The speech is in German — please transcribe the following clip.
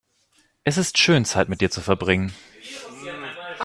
Es ist schön, Zeit mit dir zu verbringen.